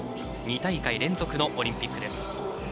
２大会連続のオリンピックです。